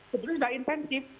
sebetulnya sudah intensif